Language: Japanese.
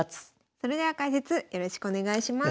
それでは解説よろしくお願いします。